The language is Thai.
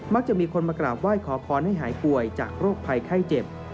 จะมีคนมากราบไหว้ขอพรให้หายป่วยจากโรคภัยไข้เจ็บ